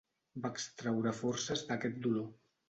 Va extraure forces d'aquest dolor.